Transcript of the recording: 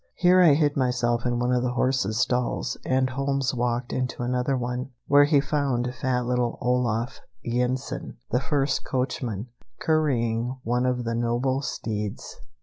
Here I hid myself in one of the horses' stalls, and Holmes walked into another one, where he found fat little Olaf Yensen, the first coachman, currying one of the noble steeds.